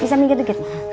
bisa minggir deket mak